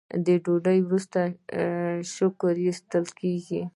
د ډوډۍ وروسته شکر ایستل کیږي.